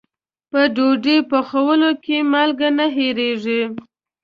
په ډوډۍ پخولو کې مالګه نه هېریږي.